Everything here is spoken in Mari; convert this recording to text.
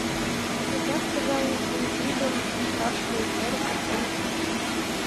Тегак тыгай интригым ышташ мый эрыкым ом пу.